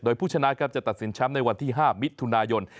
โดยผู้ชนะครับจะตัดสินแชมป์ในวันที่๕มิถุนายน